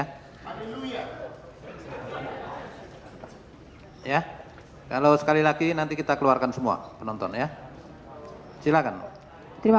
hai amin ya ya kalau sekali lagi nanti kita keluarkan semua penonton ya silakan terima